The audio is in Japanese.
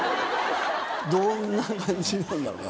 どんな感じなんだろな。